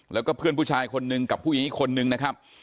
แล้วก็เพื่อนผู้ชายคนนึงกับผู้หญิงอีกคนนึงนะครับ